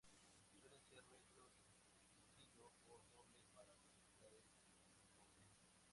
Suelen ser rectos sencillo o doble para facilitar el transporte.